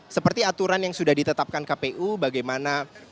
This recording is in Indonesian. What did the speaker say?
seperti aturan yang sudah ditetapkan kpu bagaimana